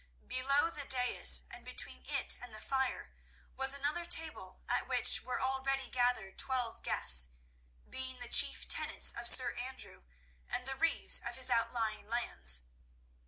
Below the dais, and between it and the fire, was another table, at which were already gathered twelve guests, being the chief tenants of Sir Andrew and the reeves of his outlying lands.